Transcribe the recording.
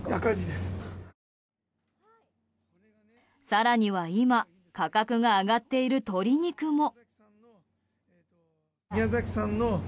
更には、今価格が上がっている鶏肉も。